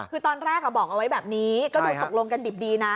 คือตอนแรกบอกเอาไว้แบบนี้ก็ดูตกลงกันดิบดีนะ